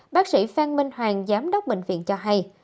bác sĩ phan minh hoàng giám đốc bệnh viện cho hay